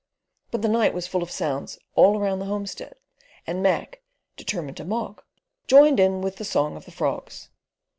But the night was full of sounds all around the homestead, and Mac, determined to mock, joined in with the "Song of the Frogs."